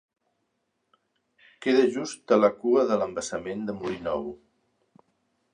Queda just a la cua de l'Embassament de Molí Nou.